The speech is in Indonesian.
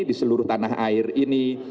di seluruh tanah air ini